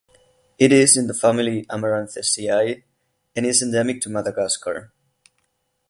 It is in the family Amaranthaceae and is endemic to Madagascar.